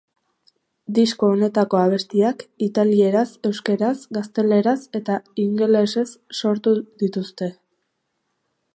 Disko honetako abestiak italieraz, euskaraz, gazteleraz eta ingelesez sortu dituzte.